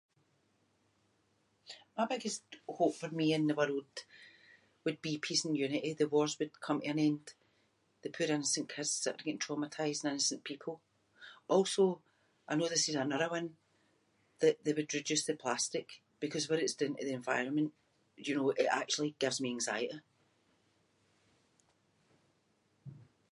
My biggest hope for me in the world would be peace and unity. The wars would come to an end, the poor innocent kids that are getting traumatised and innocent people. Also, I know this is another one, that they would reduce the plastic because what it’s doing to the environment, you know, it actually gives me anxiety.